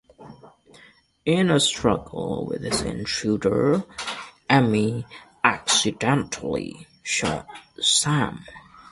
In a struggle with this intruder, Amy accidentally shot Sam.